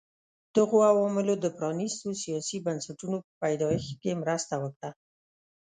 دغو عواملو د پرانیستو سیاسي بنسټونو په پیدایښت کې مرسته وکړه.